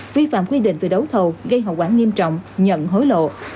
vi phạm quy định về đấu thầu gây hậu quả nghiêm trọng nhận hối lộ